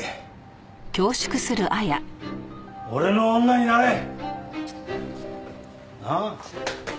俺の女になれ！なあ？